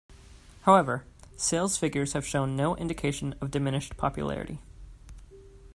However, sales figures have shown no indication of diminished popularity.